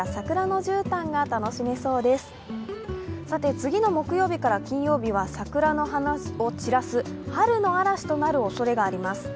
次の木曜日から金曜日は桜の花を散らす春の嵐となるおそれがあります。